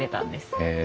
へえ。